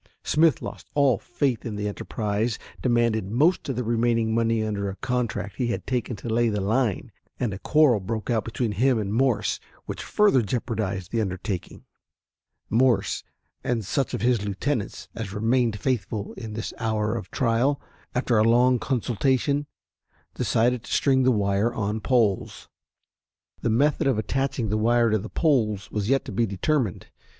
Smith lost all faith in the enterprise, demanded most of the remaining money under a contract he had taken to lay the line, and a quarrel broke out between him and Morse which further jeopardized the undertaking. Morse and such of his lieutenants as remained faithful in this hour of trial, after a long consultation, decided to string the wire on poles. The method of attaching the wire to the poles was yet to be determined.